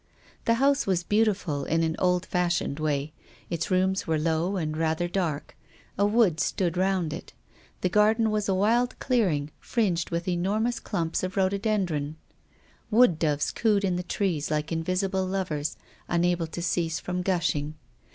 The house was beautiful in an old fashioned way. Its rooms were low and rather dark. A wood stood round it. The garden was a wild clear ing, fringed with enormous clumps of rhododen dron. Wood doves cooed in the trees like in visible lovers unable to cease from gushing.